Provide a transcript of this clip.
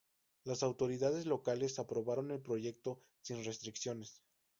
Las autoridades locales aprobaron el proyecto sin restricciones.